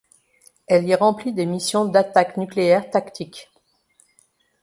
Elle y remplit des missions d’attaque nucléaire tactique.